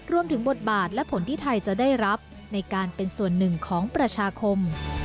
บทบาทและผลที่ไทยจะได้รับในการเป็นส่วนหนึ่งของประชาคม